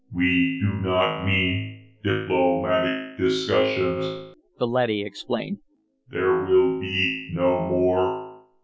"We do not mean diplomatic discussions," the leady explained. "There will be no more.